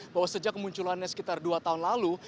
bahwa sejak kemunculannya sekitar dua tahun lalu